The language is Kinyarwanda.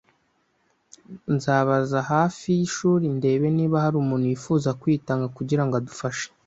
Nzabaza hafi yishuri ndebe niba hari umuntu wifuza kwitanga kugirango adufashe